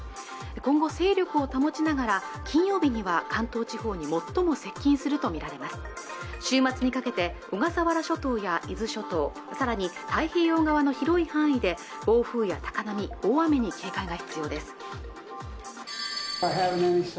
今後勢力を保ちながら金曜日には関東地方に最も接近すると見られます週末にかけて小笠原諸島や伊豆諸島さらに太平洋側の広い範囲で暴風や高波、大雨に警戒が必要です